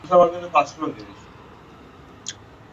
নিসার আলি নিশ্চয়ই সেরকম হবেন না।